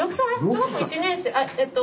小学校１年生？あえっと